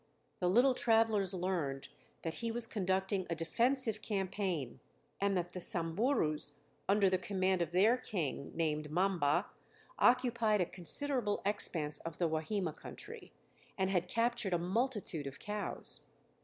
The little travelers learned that he was conducting a defensive campaign, and that the Samburus under the command of their king, named Mamba, occupied a considerable expanse of the Wahima country and had captured a multitude of cows.